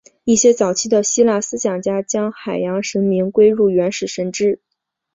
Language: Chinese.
一些早期的希腊思想家将海洋神明归入原始神只。